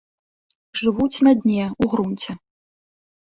Жывуць на дне, у грунце.